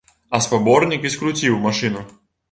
А спаборнік і скруціў машыну.